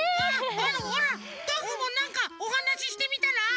あのほらどんぐーもなんかおはなししてみたら？